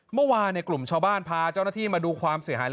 เมื่อวานกลุ่มชาวบ้านพาเจ้าหน้าที่มาดูความเสียหาย